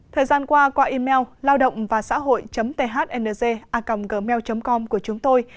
thời gian qua qua email laodongvasahoi thng com của chúng tôi